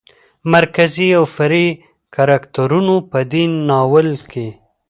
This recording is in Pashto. مرکزي او فرعي کرکترونو په دې ناول کې